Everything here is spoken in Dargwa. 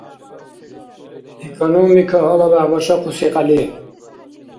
Экономика гьалабяхӏ башахъуси кьяли